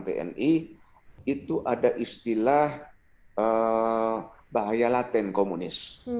tni itu ada istilah bahaya laten komunis